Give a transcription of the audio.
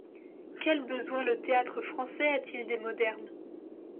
Quel besoin le Théâtre-Français a-t-il des modernes ?